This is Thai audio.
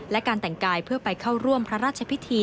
และการแต่งกายเพื่อไปเข้าร่วมพระราชพิธี